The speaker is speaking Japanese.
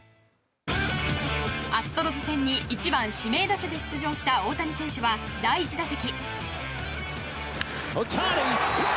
アストロズ戦に１番指名打者で出場した大谷選手は第１打席。